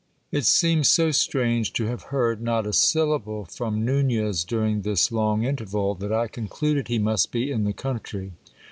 It seemed so strange to have heard not a syllable from Nunez during this long interval, that I concluded he must be in the country.